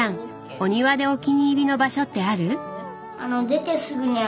お庭でお気に入りの場所ってある？